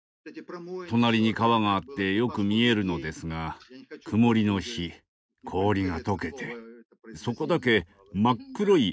隣に川があってよく見えるのですが曇りの日氷がとけてそこだけ真っ黒い穴に見えました。